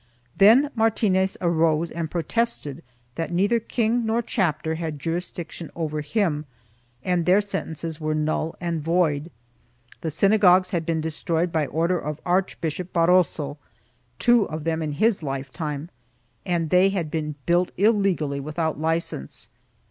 Then Martinez arose and protested that neither king nor chapter had jurisdiction over him and their sentences were null and void. The synagogues had been destroyed by order of Archbishop Barroso — two of them in his lifetime — and they had been built illegally without licence.